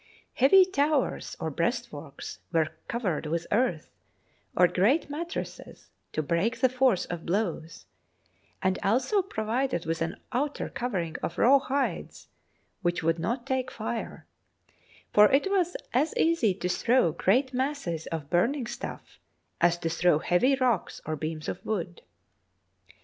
Heavy towers, or breastworks, were cov ered with earth or great mattresses to break the force of blows, and also provided with an outer covering of rawhides, which would not take fire; for it was as easy to throw great masses of burn ing stuff as to throw heavy rocks or beams of wood.